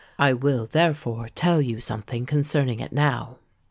I will therefore tell you something concerning it now.